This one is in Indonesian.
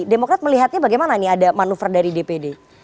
demokrat melihatnya bagaimana nih ada manuver dari dpd